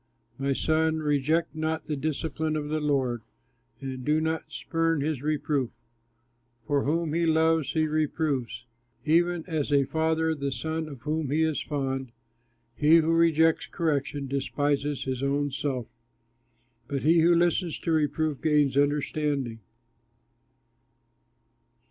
My son, reject not the discipline of the Lord, And do not spurn his reproof, For whom he loves he reproves, Even as a father the son of whom he is fond. He who rejects correction despises his own self, But he who listens to reproof gains understanding.